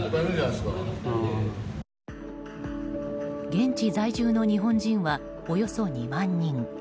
現地在住の日本人はおよそ２万人。